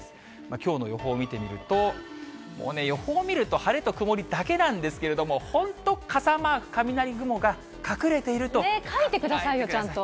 きょうの予報見てみると、もう予報を見ると、晴れと曇りだけなんですけれども、本当、傘マーク、雷雲が隠れてい書いてくださいよ、ちゃんと。